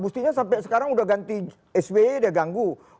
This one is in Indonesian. buktinya sampai sekarang udah ganti sw dia ganggu